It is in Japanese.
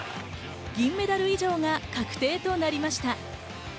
銀メダル以上が確定となりました。